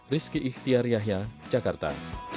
rizky ikhtiar yahya jakarta